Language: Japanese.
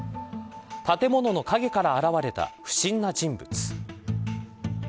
建物の影から現れた不審な人物。